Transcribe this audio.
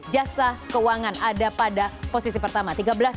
jasa keuangan ada pada posisi pertama